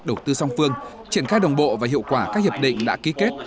đầu tư song phương triển khai đồng bộ và hiệu quả các hiệp định đã ký kết